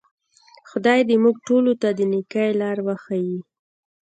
خدای دې موږ ټولو ته د نیکۍ لار وښیي.